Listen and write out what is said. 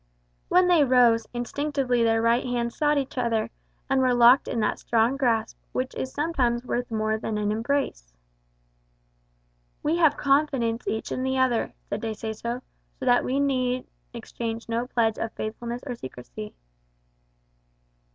When they rose, instinctively their right hands sought each other, and were locked in that strong grasp which is sometimes worth more than an embrace. "We have confidence each in the other," said De Seso, "so that we need exchange no pledge of faithfulness or secrecy."